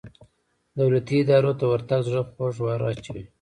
دولتي ادارو ته ورتګ زړه خوږ وراچوي.